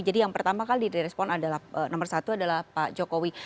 jadi yang pertama kali direspon adalah nomor satu adalah pak jokowi